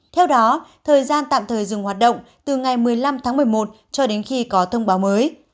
theo đó thời gian tạm thời dừng hoạt động từ ngày một mươi năm tháng một mươi một cho đến khi có thông báo mới